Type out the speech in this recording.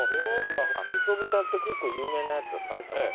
みそ豚って結構有名なやつだ埼玉の。